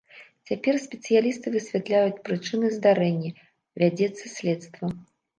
Цяпер спецыялісты высвятляюць прычыны здарэння, вядзецца следства.